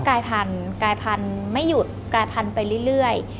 กลายพันธุ์ไม่หยุดกลายพันธุ์ไปเรื่อย